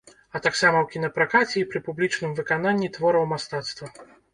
А таксама ў кінапракаце і пры публічным выкананні твораў мастацтва.